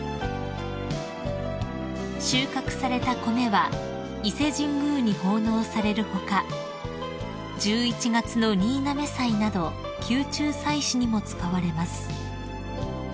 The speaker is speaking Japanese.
［収穫された米は伊勢神宮に奉納される他１１月の新嘗祭など宮中祭祀にも使われます］